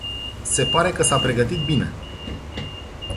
Se pare că s-a pregătit bine.